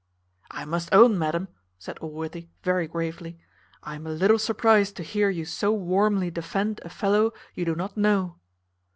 "I must own, madam," said Allworthy, very gravely, "I am a little surprized to hear you so warmly defend a fellow you do not know."